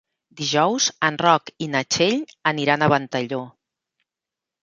Dijous en Roc i na Txell aniran a Ventalló.